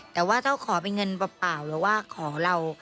แต่ว่าถ้าขอเป็นเงินเปล่าหรือว่าขอเรา